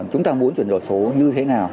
chúng ta muốn chuyển đổi số như thế nào